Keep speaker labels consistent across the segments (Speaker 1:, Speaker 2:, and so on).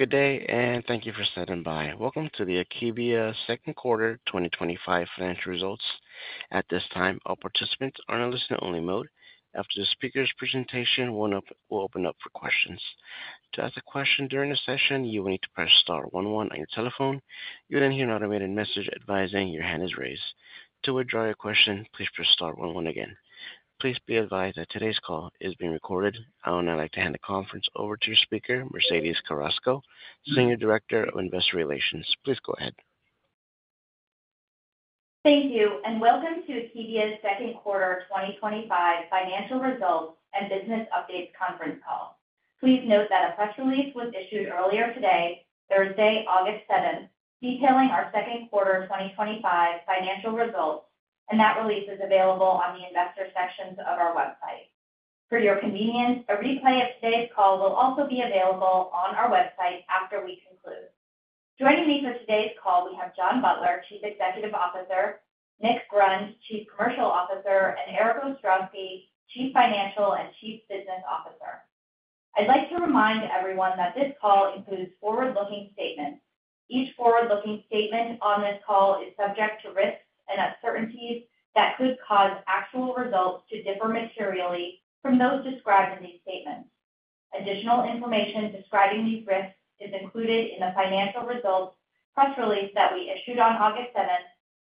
Speaker 1: Good day, and thank you for standing by. Welcome to the Akebia Second Quarter 2025 Financial Results. At this time, all participants are in a listener-only mode. After the speaker's presentation, we'll open up for questions. To ask a question during the session, you will need to press star one one on your telephone. You'll then hear an automated message advising your hand is raised. To withdraw your question, please press star one one again. Please be advised that today's call is being recorded. I would now like to hand the conference over to your speaker, Mercedes Carrasco, Senior Director of Investor Relations. Please go ahead.
Speaker 2: Thank you, and welcome to the Akebia Second Quarter 2025 Financial Results and Business Updates Conference Call. Please note that a press release was issued earlier today, Thursday, August 7, detailing our second quarter 2025 financial results, and that release is available on the investor sections of our website. For your convenience, a replay of today's call will also be available on our website after we conclude. Joining me for today's call, we have John Butler, Chief Executive Officer; Nick Grund, Chief Commercial Officer; and Erik Ostrowski, Chief Financial and Chief Business Officer. I'd like to remind everyone that this call includes forward-looking statements. Each forward-looking statement on this call is subject to risks and uncertainties that could cause actual results to differ materially from those described in these statements. Additional information describing these risks is included in the financial results press release that we issued on August 7,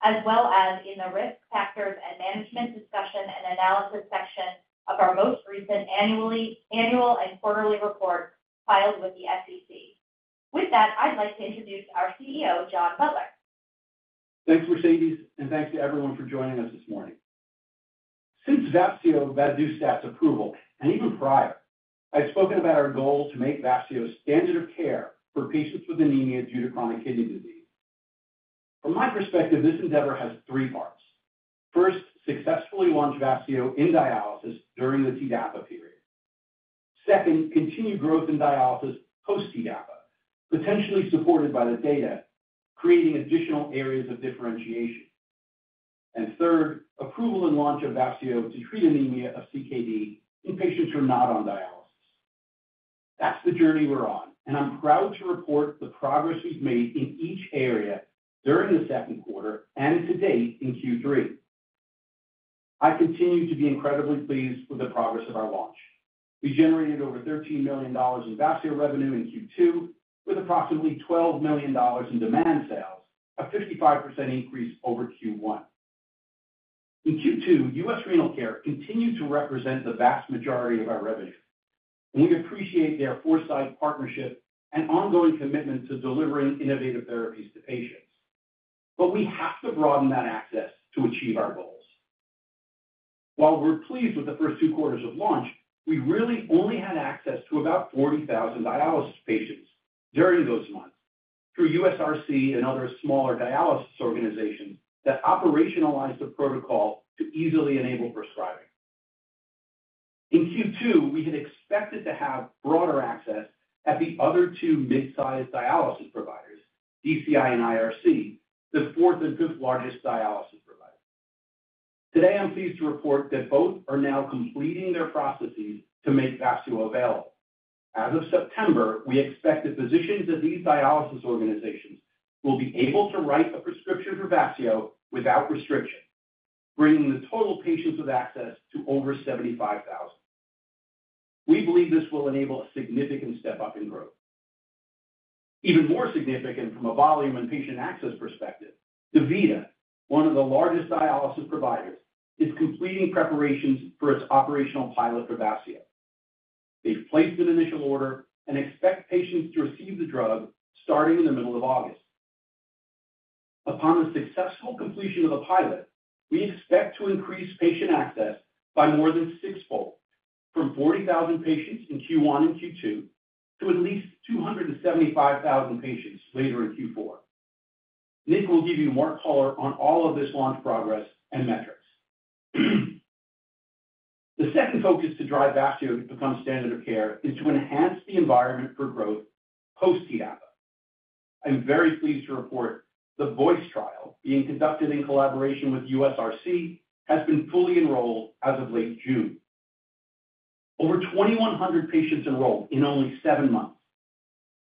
Speaker 2: as well as in the risk factors and management discussion and analysis section of our most recent annual and quarterly report filed with the SEC. With that, I'd like to introduce our CEO, John Butler.
Speaker 3: Thanks, Mercedes, and thanks to everyone for joining us this morning. Since Vafseo's vadadustat approval, and even prior, I've spoken about our goal to make Vafseo standard of care for patients with anemia due to chronic kidney disease. From my perspective, this endeavor has three parts. First, successfully launch Vafseo in dialysis during the TDAPA period. Second, continued growth in dialysis post-TDAPA, potentially supported by the data, creating additional areas of differentiation. Third, approval and launch of Vafseo to treat anemia of CKD in patients who are not on dialysis. That's the journey we're on, and I'm proud to report the progress we've made in each area during the second quarter and to date in Q3. I continue to be incredibly pleased with the progress of our launch. We generated over $13 million in Vafseo revenue in Q2, with approximately $12 million in demand sales, a 55% increase over Q1. In Q2, U.S. Renal Care continued to represent the vast majority of our revenue, and we appreciate their foresight, partnership, and ongoing commitment to delivering innovative therapies to patients. We have to broaden that access to achieve our goals. While we're pleased with the first two quarters of launch, we really only had access to about 40,000 dialysis patients during those months through USRC and other smaller dialysis organizations that operationalized the protocol to easily enable prescribing. In Q2, we had expected to have broader access at the other two mid-sized dialysis providers, DCI and IRC, to support the fourth and fifth largest dialysis providers. Today, I'm pleased to report that both are now completing their processes to make Vafseo available. As of September, we expect the physicians of these dialysis organizations will be able to write a prescription for Vafseo without restriction, bringing the total patients with access to over 75,000. We believe this will enable a significant step up in growth. Even more significant from a volume and patient access perspective, DaVita, one of the largest dialysis providers, is completing preparations for its operational pilot for Vafseo. We've placed an initial order and expect patients to receive the drug starting in the middle of August. Upon the successful completion of the pilot, we expect to increase patient access by more than sixfold, from 40,000 patients in Q1 and Q2 to at least 275,000 patients later in Q4. Nick will give you more color on all of this launch progress and metrics. The second focus to drive Vafseo to become a standard of care is to enhance the environment for growth post-TDAP. I'm very pleased to report the VOICE outcomes trial being conducted in collaboration with U.S. RC has been fully enrolled as of late June. Over 2,100 patients enrolled in only seven months.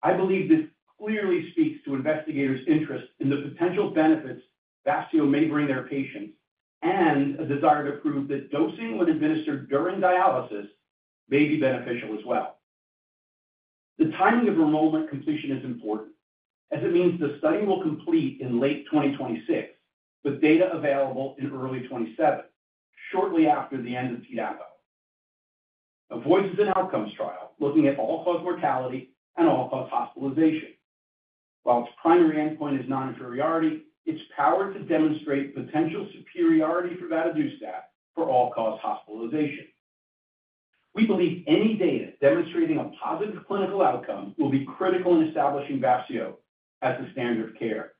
Speaker 3: I believe this clearly speaks to investigators' interest in the potential benefits Vafseo may bring their patients and a desire to prove that dosing when administered during dialysis may be beneficial as well. The timing of enrollment completion is important as it means the study will complete in late 2026 with data available in early 2027, shortly after the end of TDAP. VOICE is an outcomes trial looking at all-cause mortality and all-cause hospitalization. While its primary endpoint is non-inferiority, it's powered to demonstrate potential superiority for Vafseo for all-cause hospitalization. We believe any data demonstrating a positive clinical outcome will be critical in establishing Vafseo as a standard of care.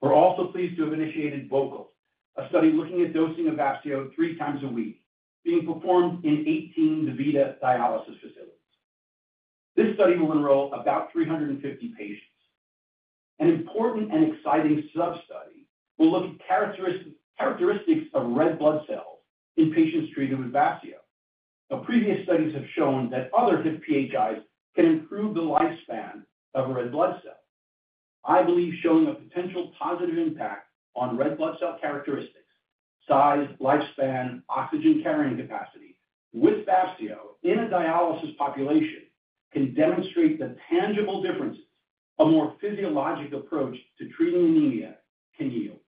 Speaker 3: We're also pleased to have initiated VOCAL, a study looking at dosing of Vafseo three times a week, being performed in 18 DaVita dialysis facilities. This study will enroll about 350 patients. An important and exciting sub-study will look at characteristics of red blood cells in patients treated with Vafseo. Previous studies have shown that other PHIs can improve the lifespan of a red blood cell. I believe showing a potential positive impact on red blood cell characteristics, size, lifespan, and oxygen carrying capacity with Vafseo in a dialysis population can demonstrate the tangible difference a more physiologic approach to treating anemia can yield.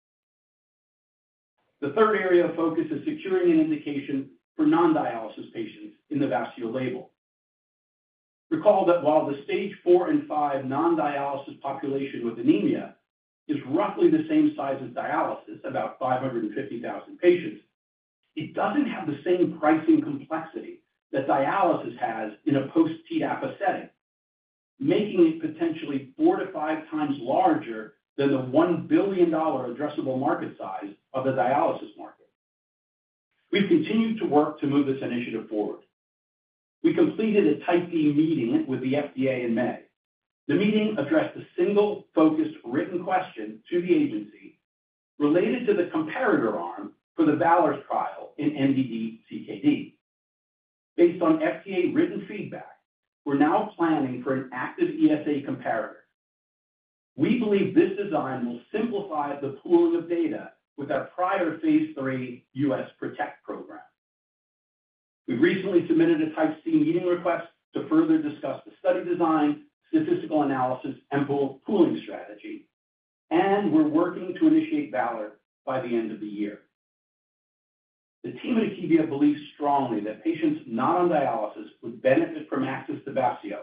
Speaker 3: The third area of focus is securing an indication for non-dialysis patients in the Vafseo label. Recall that while the stage 4 and 5 non-dialysis population with anemia is roughly the same size as dialysis, about 550,000 patients, it doesn't have the same pricing complexity that dialysis has in a post-TDAP setting, making it potentially 4x-5x larger than the $1 billion addressable market size of the dialysis market. We've continued to work to move this initiative forward. We completed a Type B meeting with the FDA in May. The meeting addressed a single focus written question to the agency related to the comparator arm for the VALOR phase III trial in non-dialysis CKD. Based on FDA written feedback, we're now planning for an active ESA comparator. We believe this design will simplify the pooling of data with our prior phase III U.S. PROTECT program. We recently submitted a Type C meeting request to further discuss the study design, statistical analysis, and pooling strategy, and we're working to initiate VALOR by the end of the year. The team at Akebia Therapeutics believes strongly that patients not on dialysis would benefit from access to Vafseo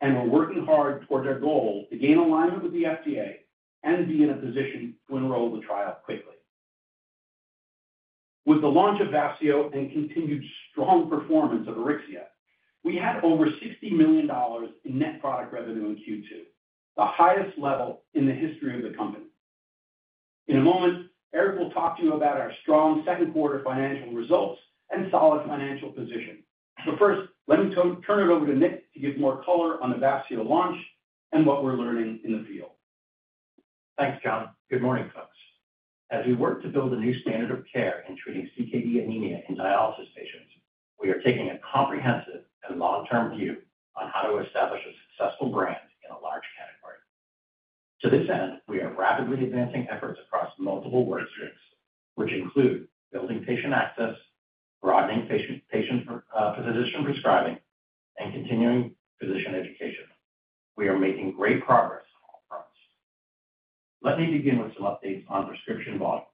Speaker 3: and we're working hard towards our goal to gain alignment with the FDA and to be in a position to enroll the trial quickly. With the launch of Vafseo and continued strong performance of AURYXIA, we had over $60 million in net product revenue in Q2, the highest level in the history of the company. In a moment, Erik will talk to you about our strong second quarter financial results and solid financial position. First, let me turn it over to Nick to give more color on the Vafseo launch and what we're learning in the field.
Speaker 4: Thanks, John. Good morning, folks. As we work to build a new standard of care in treating CKD anemia in dialysis patients, we are taking a comprehensive and long-term view on how to establish a successful brand in a large category. To this end, we are rapidly advancing efforts across multiple work streams, which include building patient access, broadening patient physician prescribing, and continuing physician education. We are making great progress on this front. Let me begin with some updates on prescription volumes.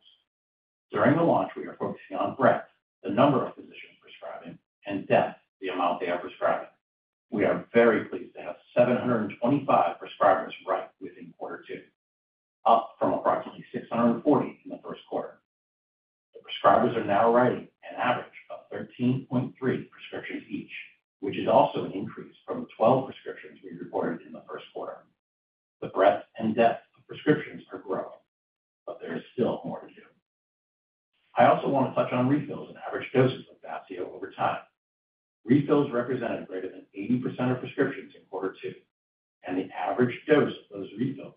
Speaker 4: During the launch, we are focusing on breadth, the number of physicians prescribing, and depth of the amount they are prescribing. We are very pleased to have 725 prescribers within quarter two, up from approximately 640 in the first quarter. Prescribers are now writing an average of 13.3 prescriptions each, which is also an increase from 12.1. Refills in average doses of Vafseo over time. Refills represented greater than 80% of prescriptions in quarter two, and the average dose of those refills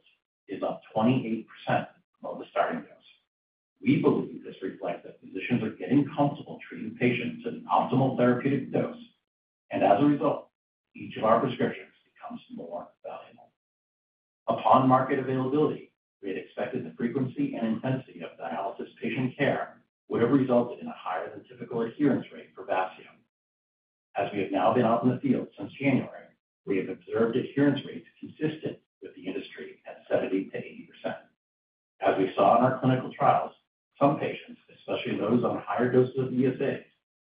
Speaker 4: is about 28% of the total starting dose. We believe this reflects that physicians are getting comfortable treating patients at an optimal therapeutic dose, and as a result, each of our prescriptions. As we have now been out in the field since January, we have observed adherence rates consistently. Some patients, especially those on higher doses of ESA,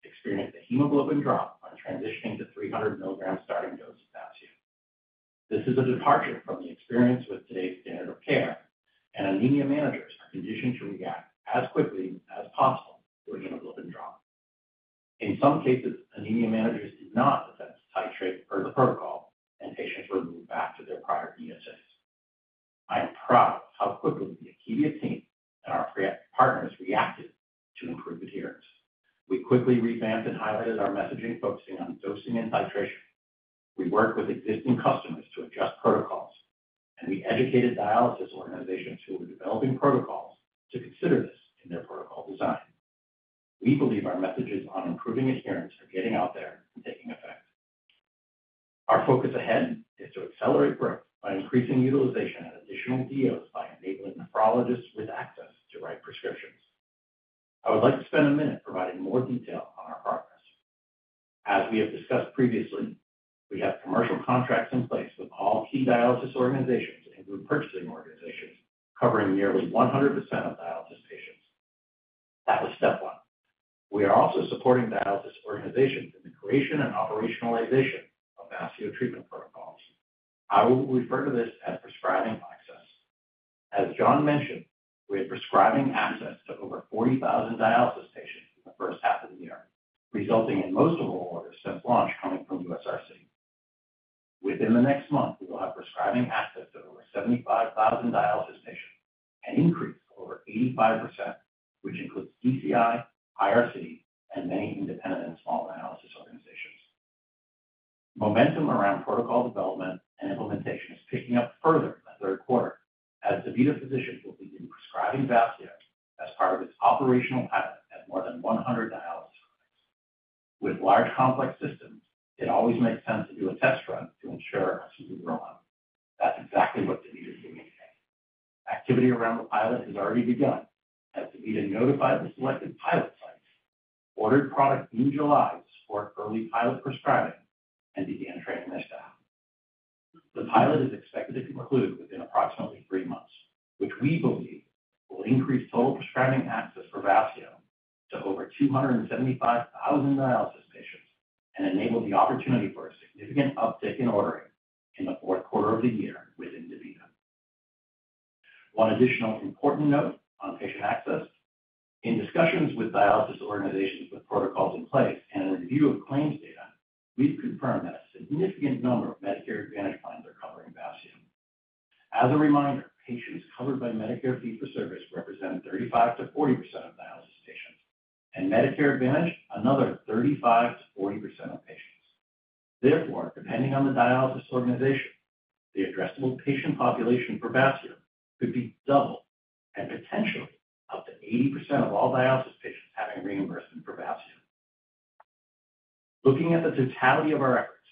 Speaker 4: experience a hemoglobin drop when transitioning to 300 mg of the dose of Vafseo. This is a departure from experience with today's standard of care, and anemia managers are conditioned to react as quickly as possible when hemoglobin drops. In some cases, anemia managers do not adjust the titrate per the protocol, and patients will move back. To improve adherence, we quickly revamped and highlighted our messaging, focusing on dosing and titration. We work with existing customers to adjust protocols, and we educated dialysis organizations who are developing protocols to consider this in their protocol design. We believe our messages on improving adherence are getting out there and taking effect. Our focus ahead is to accelerate growth by increasing utilization of additional DOs by enabling nephrologists with access to write prescriptions. I would like to spend a minute providing more detail on our progress. As we have discussed previously, we have commercial contracts in place with all key dialysis organizations, including purchasing organizations covering nearly 100% of dialysis patients. We are also supporting dialysis organizations in the creation and operationalization of Vafseo treatment protocols. I will refer to this as prescribing access. As John mentioned, we have prescribing access to 40,000 dialysis patients for the first half of the year, resulting in most of the orders since launch from U.S. RC. Within the next month, we will have prescribing access to over 75,000 dialysis patients, an increase of over 85%, which includes DCI, IRC, and many independent small dialysis organizations. Momentum around protocol development and implementation is picking up further in the third quarter as DaVita physicians will begin prescribing Vafseo as part of this operational pilot at more than 100 dialysis organizations. With large complex systems, it always makes sense to do a test run. The pilot has already begun. DaVita notified the selected pilot sites and ordered product in July to support early pilot prescribing in the interim, which we believe will increase total prescribing access for Vafseo to over 275,000 dialysis patients and enable the opportunity for a significant uptick in ordering in the fourth quarter of the year within DaVita. One additional important note on patient access. In discussions with dialysis organizations with protocols in place and in the view of claims data, we've confirmed that a significant number of Medicare Advantage clients are covering Vafseo. As a reminder, patients covered by Medicare fee-for-service represent 35%-40% of dialysis patients, and Medicare Advantage, another 35%-40% of patients. Therefore, depending on the dialysis organization, the addressable patient population for Vafseo could be doubled to potentially 80% of all dialysis patients having reimbursement for Vafseo. Looking at the totality of our efforts,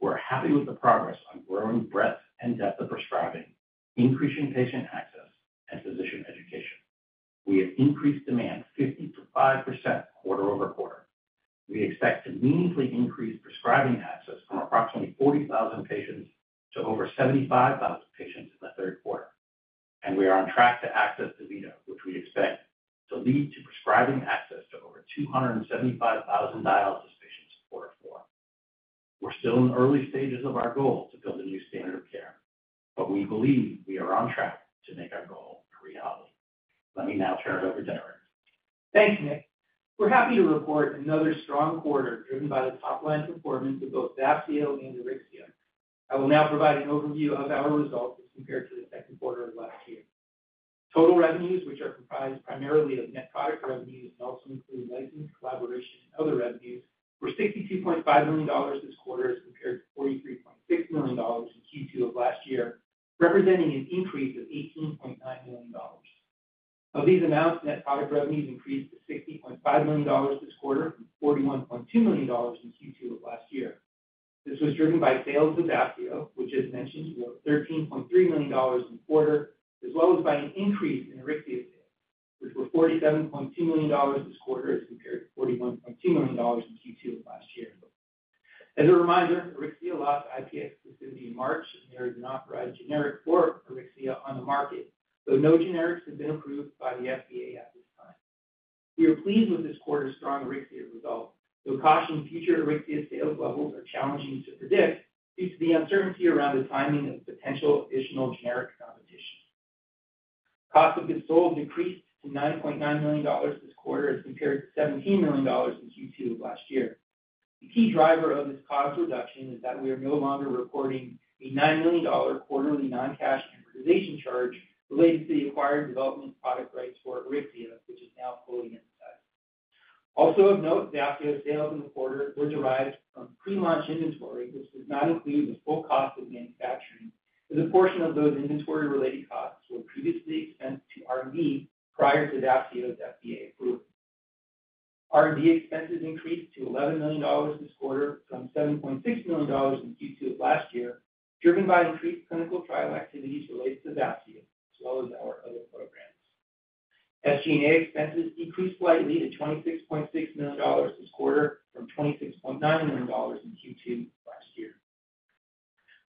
Speaker 4: we're happy with the progress on growing breadth and depth of prescribing, increasing patient access, and physician education. We have increased to amongst 55% quarter-over-quarter. We expect to meaningfully increase prescribing access to approximately 40,000 patients to over 75,000 patients in the third quarter. We are on track to access DaVita, which we expect to lead to prescribing access to over 275,000 dialysis patients in quarter four. We're still in the early stages of our goal to build a new standard of care, but we believe we are on track to make our goal a reality. Let me now turn it over to Erik.
Speaker 5: Thanks, Nick. We're happy to report another strong quarter driven by the top-line performance of both Vafseo and AURYXIA. I will now provide an overview of our results compared to the second quarter of last year. Total revenues, which are comprised primarily of net product revenues and also include medical collaboration and other revenues, were $62.5 million this quarter compared to $43.6 million in Q2 of last year, representing an increase of $18.9 million. Of these amounts, net product revenues increased to $60.5 million this quarter and $41.2 million in Q2 of last year. This was driven by sales of Vafseo, which, as mentioned, is about $13.3 million in the quarter, as well as by an increase in AURYXIA sales, which were $47.2 million this quarter as compared to $41.2 million in Q2 of last year. As a reminder, AURYXIA allowed IPS to submit in March and there is an authorized generic for AURYXIA on the market, though no generics have been approved by the FDA at this time. We are pleased with this quarter's strong AURYXIA result, though costs from future AURYXIA sales levels are challenging to predict due to the uncertainty around the timing of potential additional generic competition. Cost of goods sold increased to $9.9 million this quarter as compared to $17 million in Q2 of last year. The key driver of this cost reduction is that we are no longer reporting a $9 million quarterly non-cash amortization charge related to the acquired development product rights for AURYXIA, which is now fully invented. Also of note, Vafseo sales in the quarter were derived from pre-launch inventory, which does not include the full cost of manufacturing, and a portion of those inventory-related costs were previously expensed to R&D prior to Vafseo's FDA approval. R&D expenses increased to $11 million this quarter from $7.6 million in Q2 of last year, driven by increased clinical trial activities related to Vafseo, as well as our other programs. FDA expenses increased slightly to $26.6 million this quarter from $26.9 million in Q2 of last year.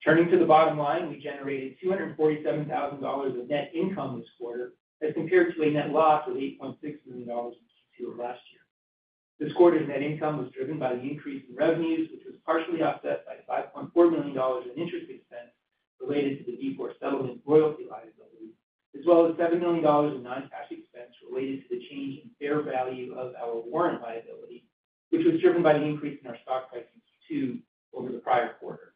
Speaker 5: Turning to the bottom line, we generated $247,000 of net income this quarter as compared to a net loss of $8.6 million in Q2 of last year. This quarter's net income was driven by the increase in revenues, partially on $4 million in interest expenses related to the loan royalty liability, as well as $7 million in non-cash expenses related to the change in the fair value of our warrant liability, which was driven by an increase in our stock price in Q2 over the prior quarter.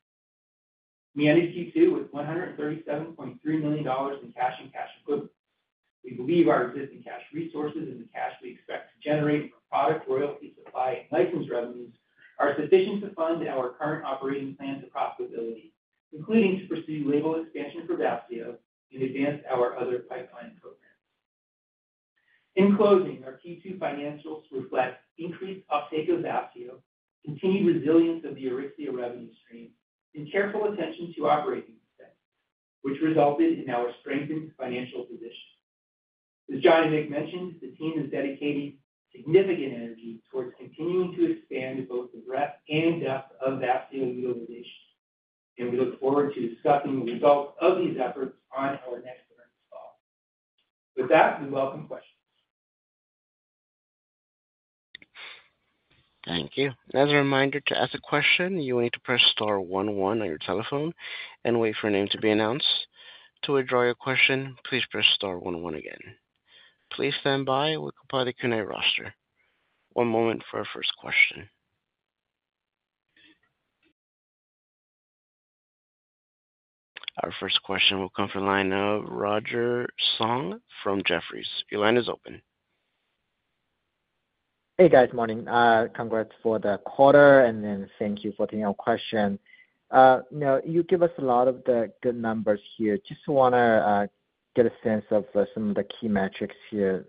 Speaker 5: We ended Q2 with $137.3 million in cash and cash equivalents. We believe our existing cash resources and the cash we expect to generate from product royalties, supply, and license revenues are sufficient to fund our current operating plans to profitability, including to pursue label expansion for Vafseo and advance our other pipeline programs. In closing, our Q2 financials reflect increased uptake of Vafseo, continued resilience of the AURYXIA revenue stream, and careful attention to operating expenses, which resulted in our strengthened financial position. As John and Nick mentioned, the team is dedicating significant energy towards continuing to expand both the breadth and depth of Vafseo utilization, and we look forward to discussing the results of these efforts on our next session call. With that, we welcome questions.
Speaker 1: Thank you. As a reminder, to ask a question, you will need to press star one one on your telephone and wait for a name to be announced. To withdraw your question, please press star one one again. Please stand by with the Quality Q&A roster. One moment for our first question. Our first question will come from the line of Roger Song from Jefferies. Your line is open.
Speaker 6: Hey, guys. Morning. Congrats for the quarter, and thank you for taking our question. You give us a lot of the good numbers here. Just want to get a sense of some of the key metrics here.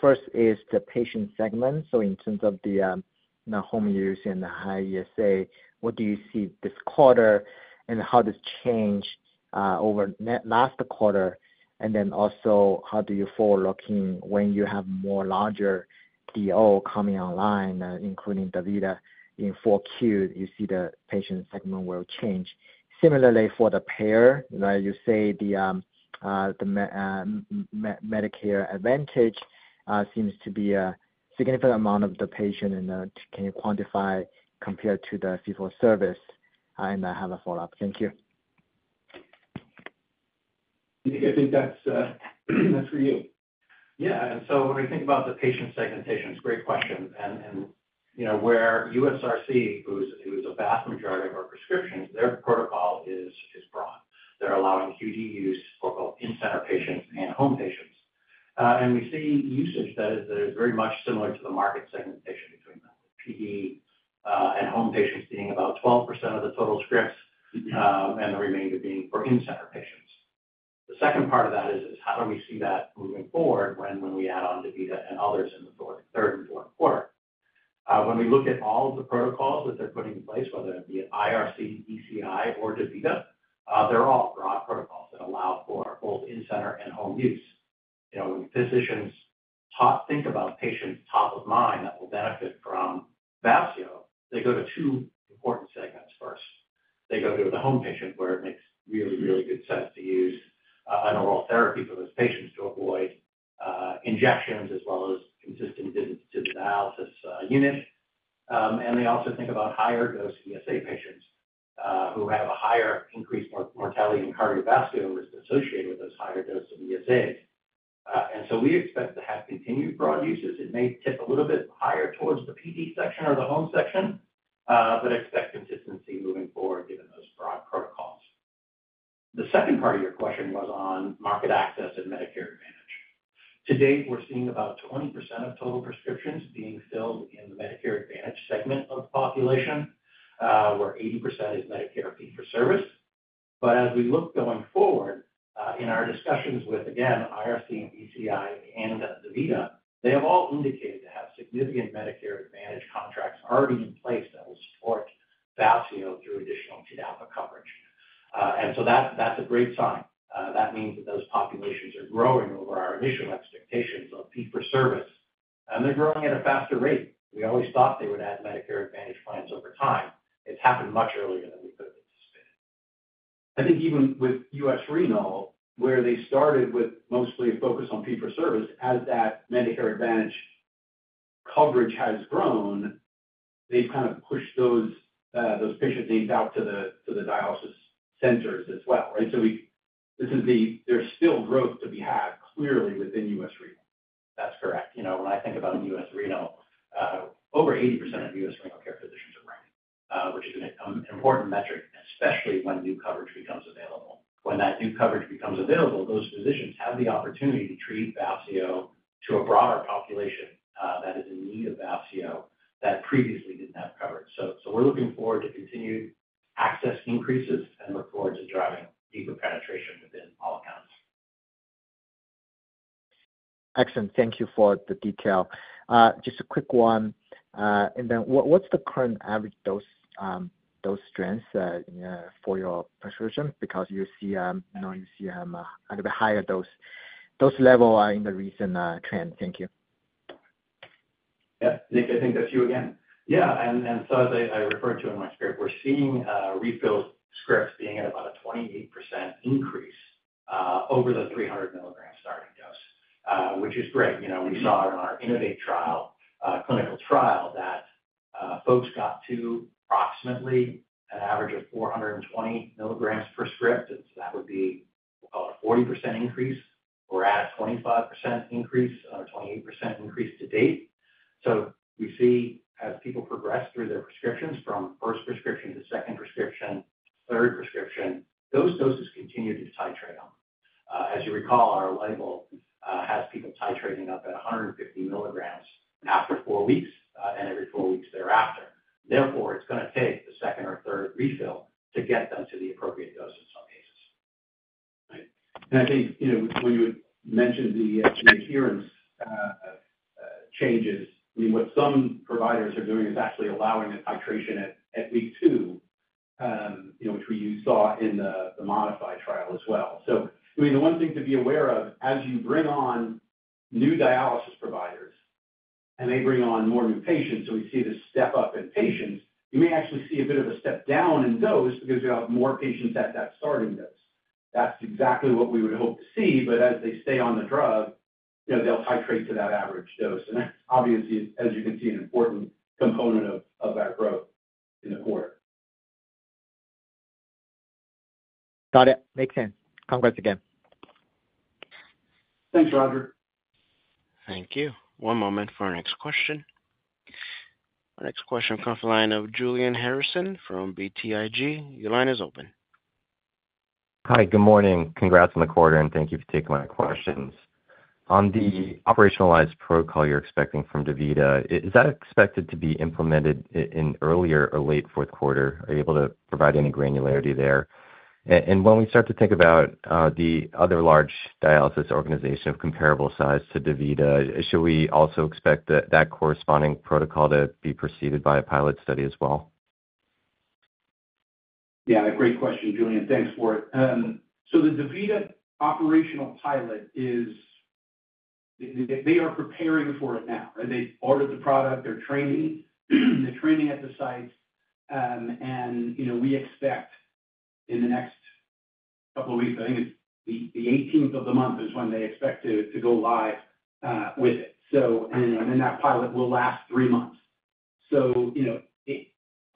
Speaker 6: First is the patient segment. In terms of the home use and the high ESA, what do you see this quarter and how has this changed over last quarter? Also, how do you forward-looking when you have more larger DO coming online, including DaVita in 4Q, do you see the patient segment will change? Similarly, for the payer, you say the Medicare Advantage seems to be a significant amount of the patient, and can you quantify compared to the fee-for-service? I have a follow-up. Thank you.
Speaker 3: I think that's for you.
Speaker 4: Yeah. When we think about the patient segmentation, it's a great question. Where U.S. RC, who is a vast subscriber of our prescriptions, their protocol is broad. They're allowing QD use for both in-center patients and home patients. We see the usage that is very much similar to the market segment. QD and home patients being about 12% of the total scripts and the remainder being for in-center patients. The second part of that is, how do we see that moving forward when we add on DaVita and others in the fourth quarter. When we look at all of the protocols that they're putting in place, whether it be IRC, DCI, or DaVita, they're all broad protocols that allow for both in-center and home use. Physicians think about patients top of mind that will benefit from Vafseo. They go to two important segments first. They go to the home patient, where it makes really, really good sense to use an oral therapy for those patients to avoid injections as well as assistance to the dialysis unit. They also think about higher dose ESA patients who have a higher increased mortality and cardiovascular risk associated with those higher doses of ESA. We expect to have continued broad uses. It may tip a little bit higher towards the PD section or the home section. The second part of your question was on market access and Medicare Advantage. To date, we're seeing about 20% of total prescriptions being filled in the Medicare Advantage segment of the population, where 80% is Medicare fee-for-service. As we look going forward in our discussions with, again, IRC and DCI and DaVita, they have all indicated to have significant Medicare Advantage contracts already in place that will support Vafseo through additional Tdap coverage. That's a great sign. That means that those populations are growing over our initial expectations of fee-for-service, and they're growing at a faster rate. We always thought they would add Medicare Advantage plans over time. It's happened much earlier than we could have anticipated. I think even with U.S. Renal, where they started with mostly a focus on fee-for-service, as that Medicare Advantage coverage has grown, they've kind of pushed those patients out to the dialysis centers as well. There's still growth to be clearly within U.S. Renal.
Speaker 6: That's correct.
Speaker 4: You know. I think about U.S.Renal, over 80% of U.S. Renal. When that new coverage becomes available, those physicians have the opportunity to treat Vafseo to a broader population that is in need of Vafseo that previously didn't have coverage. We are looking forward to continued assessment increases and look forward to driving it.
Speaker 6: Excellent. Thank you for the detail. Just a quick one. What's the current average dose strength for your prescription? You see a little bit higher dose level in the recent trend. Thank you.
Speaker 3: Nick, I think that's you again.
Speaker 4: As I referred to in my script, we're seeing refill scripts being at about a 28% increase over the 300 mg starting doses, which is great. We saw in our Innovate Clinical trial that folks got to approximately an average of 420 mg per script. That would be about a 40% increase or at a 25% increase or 28% increase to date. We see as people progress through their prescriptions from first prescription to second prescription, third prescription, those doses continue to titrate up. As you recall, our label has people titrating up at 150 mg after four weeks and every four weeks thereafter. Therefore, it's going to take the second or third refill to get them to the appropriate doses.
Speaker 3: I think you know when you mentioned the adherence changes, what some providers are doing is actually allowing a titration at at least two, which we saw in the modified trial as well. The one thing to be aware of, as you bring on new dialysis providers and they bring on more new patients, we see this step up in patients. You may actually see a bit of a step down in those because you have more patients at that starting dose. That's exactly what we would hope to see. As they stay on the drug, they'll titrate to that average dose. Obviously, as you can see, an important component of that growth is important.
Speaker 6: Got it. Makes sense. Congrats again.
Speaker 3: Thanks, Roger.
Speaker 1: Thank you. One moment for our next question. Our next question comes from the line of Julian Harrison from BTIG. Your line is open.
Speaker 7: Hi. Good morning. Congrats on the quarter, and thank you for taking my questions. On the operationalized protocol you're expecting from DaVita, is that expected to be implemented in early or late fourth quarter? Are you able to provide any granularity there? When we start to think about the other large dialysis organization of comparable size to DaVita, should we also expect that corresponding protocol to be preceded by a pilot study as well?
Speaker 3: Great question, Julian. Thanks for it. The DaVita operational pilot, they are preparing for it now. They ordered the product. They're training at the sites. We expect in the next couple of weeks, I think it's the 18th of the month, is when they expect to go live with it. That pilot will last three months,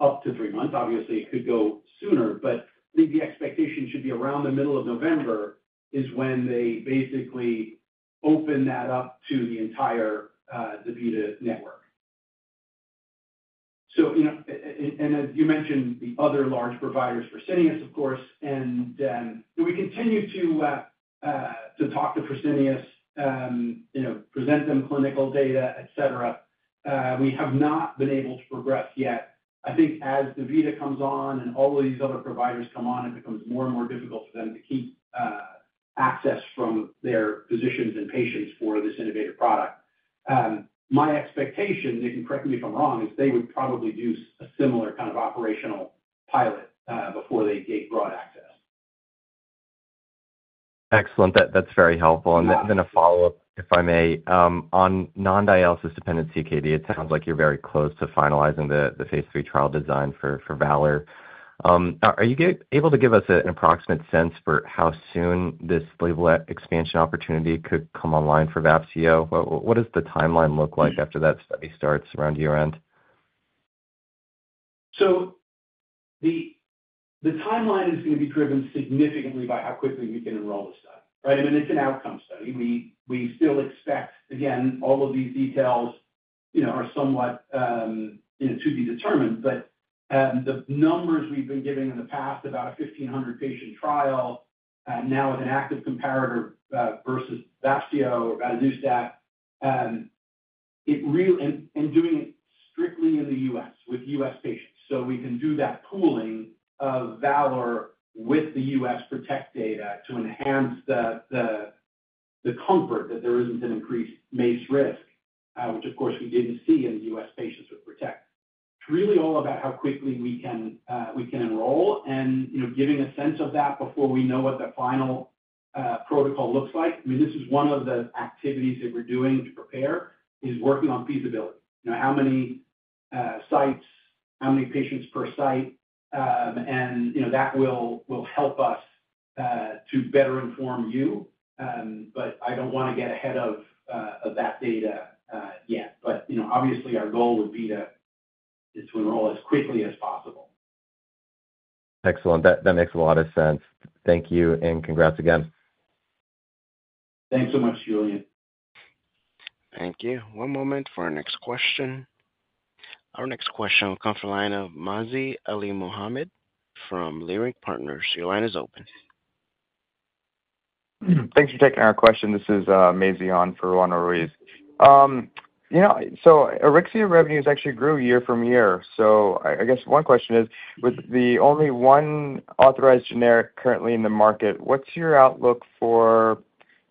Speaker 3: up to three months. Obviously, it could go sooner, but I think the expectation should be around the middle of November is when they basically open that up to the entire DaVita network. As you mentioned, the other large providers, Fresenius, of course. We continue to talk to Fresenius, present them clinical data, etc. We have not been able to progress yet. I think as DaVita comes on and all of these other providers come on, it becomes more and more difficult for them to keep access from their physicians and patients for this innovative product. My expectation, and correct me if I'm wrong, is they would probably do a similar kind of operational pilot.
Speaker 7: Excellent. That's very helpful. A follow-up, if I may, on non-dialysis-dependent CKD, it sounds like you're very close to finalizing the phase III trial design for VALOR. Are you able to give us an approximate sense for how soon this label expansion opportunity could come online for Vafseo? What does the timeline look like after that study starts around year end?
Speaker 3: The timeline is going to be driven significantly by how quickly we can enroll this study, right? I mean, it's an outcome study. We still expect, again, all of these details are somewhat to be determined. The numbers we've been giving in the past are about a 1,500-patient trial now with an active comparator versus Vafseo, at least, and doing it strictly in the U.S. with U.S. patients. We can do that pooling of VALOR with the U.S. PROTECT data to enhance the comfort that there isn't an increased MACE risk, which, of course, we didn't see in the U.S. patients with PROTECT. It's really all about how quickly we can enroll and giving a sense of that before we know what the final protocol looks like. This is one of the activities that we're doing to prepare, working on feasibility. Now, how many sites, how many patients per site, and that will help us to better inform you. I don't want to get ahead of that data yet. Obviously, our goal would be to enroll as quickly.
Speaker 7: Excellent. That makes a lot of sense. Thank you and congrats again.
Speaker 3: Thanks so much, Julian.
Speaker 1: Thank you. One moment for our next question. Our next question will come from the line of Mazahir Alimohamed from Leerik Partners. Your line is open.
Speaker 8: Thanks for taking our question. This is Mazahir on for Juan Ruiz. You know, so AURYXIA revenues actually grew year from year. I guess one question is, with the only one authorized generic currently in the market, what's your outlook for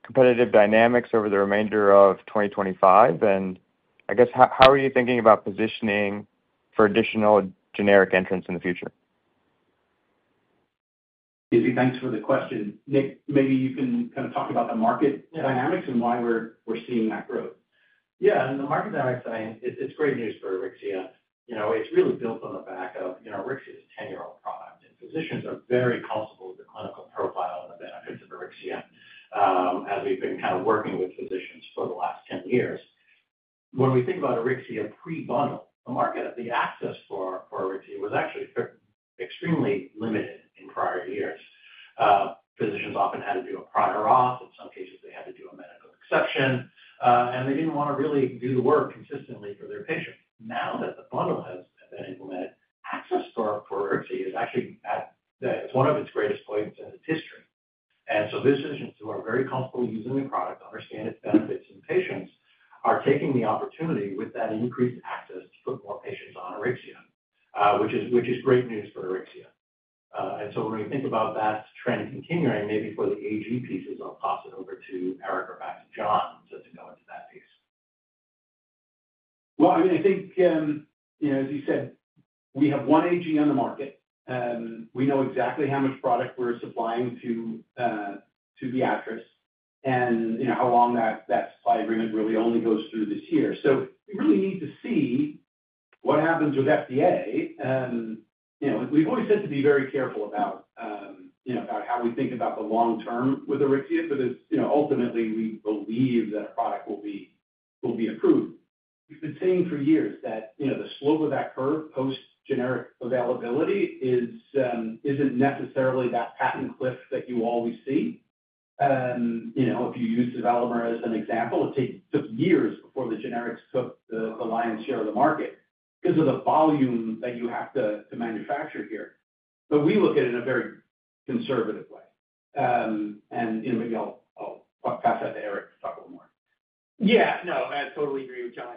Speaker 8: competitive dynamics over the remainder of 2025? I guess how are you thinking about positioning for additional generic entrants in the future?
Speaker 3: Mazahir, thanks for the question. Nick, maybe you can kind of talk about the market dynamics and why we're seeing that growth.
Speaker 4: Yeah. In the market dynamics, it's great news for AURYXIA. It's really built on AURYXIA's channel. It's very possible with the clinical profile and the benefits of AURYXIA, as we've been kind of working with physicians for the last 10 years. When we think about AURYXIA pre-bundle, the market, the access for AURYXIA was actually extremely limited in prior years. Physicians often had to do a prior auth. In some cases, they had to do a medical exception. They didn't want to really do the work consistently for their patients. Now that the bundle has stood up for AURYXIA, it's one of its greatest points in its history. Physicians who are very comfortable using the product on AURYXIA-bound patients are taking the opportunity with that increased access of patients on AURYXIA, which is great news for AURYXIA. When we think about that trend continuing, maybe for the AG pieces, I'll toss it over to Erik or perhaps John to go into that piece.
Speaker 3: I think, as you said, we have one AG on the market. We know exactly how much product we're supplying to Beatrice, and you know how long that supply agreement really only goes through this year. We need to see what happens with FDA. We've always said to be very careful about how we think about the long-term with AURYXIA for this. Ultimately, we believe that our product will be approved. It's been said for years that the slope of that curve post-generic availability isn't necessarily that patent cliff that you always see. If you use the VALOR as an example, it took years before the generics took the lion's share of the market because of the volume that you have to manufacture here. We look at it in a very conservative and real way.
Speaker 5: Yeah. No, I totally agree with John.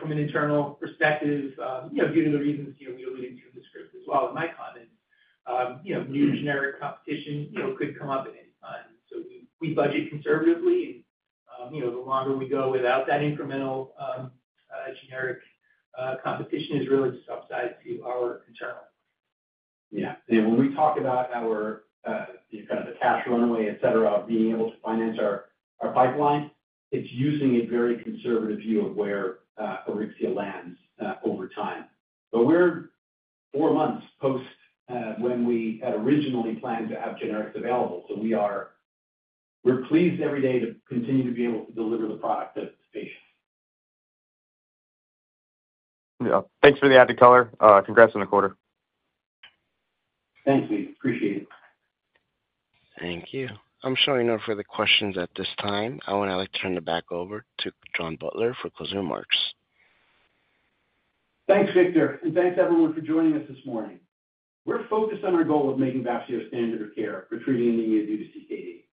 Speaker 5: From an internal perspective, given the reasons you're alluding to in the script as well in my comment, new generic competition could come up at any time. We budget conservatively, and the longer we go without that incremental generic competition is really just upsetting to our internal team.
Speaker 4: Yeah. You know, when we talk about our kind of the task going away, etc., being able to finance our pipeline, it's using a very conservative view of where AURYXIA lands over time. We're four months post when we had originally planned to have generics available. We are pleased every day to continue to be able to deliver the product to patients.
Speaker 8: Yeah, thanks for the added color. Congrats on the quarter.
Speaker 1: Thank you. I'm showing no further questions at this time. I want to turn it back over to John Butler for closing remarks.
Speaker 3: Thanks, Victor. Thanks, everyone, for joining us this morning. We're focused on our goal of making Vafseo standard of care for treating anemia due to CKD.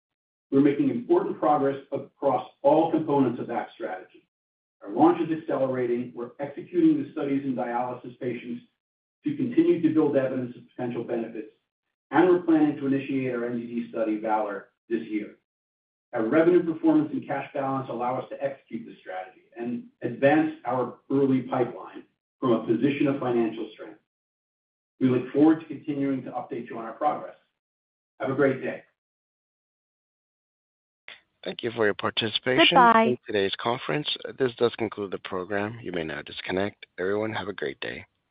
Speaker 3: We're making important progress across all components of that strategy. The launch of this delivery, we're executing the studies in dialysis patients to continue to build evidence of potential benefits, and we're planning to initiate our MDD study, VALOR, this year. Our revenue performance and cash balance allow us to execute this strategy and advance our early pipeline from a position of financial strength. We look forward to continuing to update you on our progress. Have a great day.
Speaker 1: Thank you for your participation in today's conference. This does conclude the program. You may now disconnect. Everyone, have a great day.